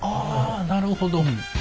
あなるほど。